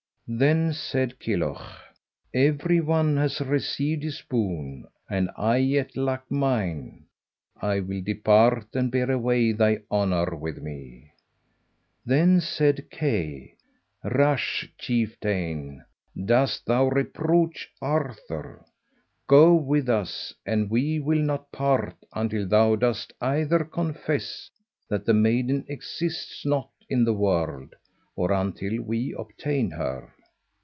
Then said Kilhuch, "Every one has received his boon, and I yet lack mine. I will depart and bear away thy honour with me." Then said Kay, "Rash chieftain! dost thou reproach Arthur? Go with us, and we will not part until thou dost either confess that the maiden exists not in the world, or until we obtain her."